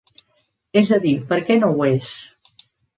És a dir, per què no ho és?